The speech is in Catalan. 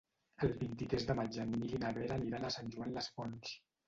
El vint-i-tres de maig en Nil i na Vera aniran a Sant Joan les Fonts.